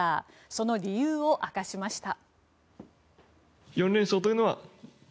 その理由を明かしました。